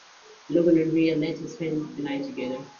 Logan and Rhea later spend the night together.